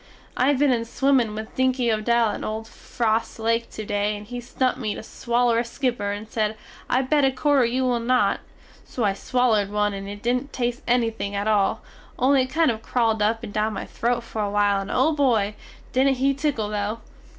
I have been in swimmin with Dinky Odell in old Frost Lake to day and he stumpt me to swaller a skipper and sed I bet a quarter you will not, so I swallerd one and it didn't test ennything at all, only it kind of crawled up and down my throte fer awhile and o Boy! didnt he tickel though!